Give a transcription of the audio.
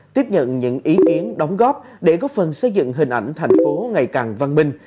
tiếp nhận những ý kiến đóng góp để góp phần xây dựng hình ảnh thành phố ngày càng văn minh